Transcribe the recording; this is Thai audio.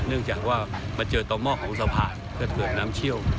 เนื่องจากว่ามาเจอต่อหม้อของสะพานและเกิดน้ำเชี่ยว